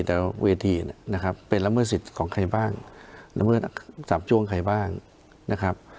แต่เวทีนะครับเป็นละเมิดสิทธิ์ของใครบ้างละเมิดจับจ้วงใครบ้างนะครับ